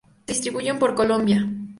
Se distribuyen por Colombia.